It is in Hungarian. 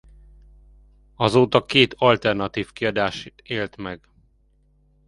Azóta két alternatív kiadást élt meg.